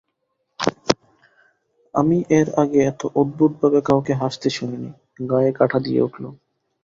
আমি এর আগে এত অদ্ভুতভাবে কাউকে হাসতে শুনি নি, গায়ে কাঁটা দিয়ে উঠল।